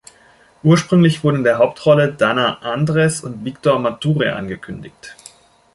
Ursprünglich wurden in der Hauptrolle Dana Andres und Victor Mature angekündigt.